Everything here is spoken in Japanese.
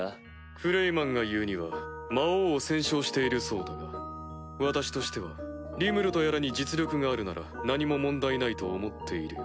クレイマンが言うには魔王を僭称しているそうだが私としてはリムルとやらに実力があるなら何も問題ないと思っているよ。